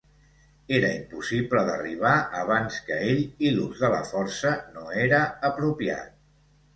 Era impossible d'arribar abans que ell i l'ús de la força no era apropiat.